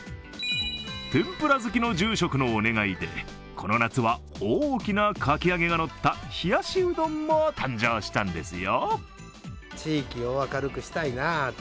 天ぷら好きの住職のお願いで、この夏は大きなかき揚げがのった冷やしうどんも誕生したんですよ。